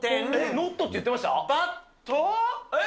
ノットって言ってました？